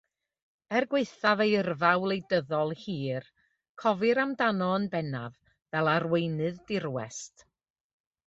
Er gwaethaf ei yrfa wleidyddol hir, cofir amdano yn bennaf fel arweinydd dirwest.